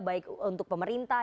baik untuk pemerintah